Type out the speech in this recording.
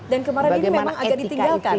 dan kemarin ini memang agak ditinggalkan